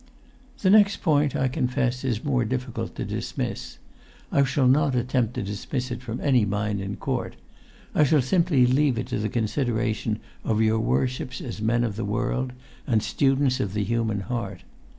"The next point, I confess, is more difficult to dismiss. I shall not attempt to dismiss it from any mind in court. I shall simply leave it to the consideration of your worships as men of the world and students of[Pg 179] the human heart.